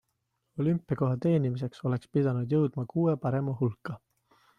Olümpiakoha teenimiseks oleks pidanud jõudma kuue parema hulka.